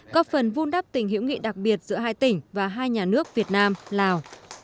có phần vun đắp tình hiểu nghị đặc biệt giữa hai tỉnh và hai nhà nước việt nam lào